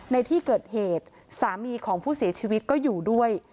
ในที่เกิดเหตุสามีของผู้เสียชีวิตก็อยู่ด้วย